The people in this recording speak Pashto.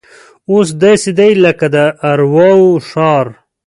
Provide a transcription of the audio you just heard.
اوس داسې دی لکه د ارواو ښار.